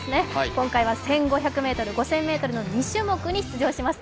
今回は１５００ｍ、５０００ｍの２種目に出場します。